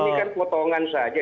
ini kan potongan saja